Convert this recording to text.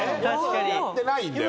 やってないんだよ俺は。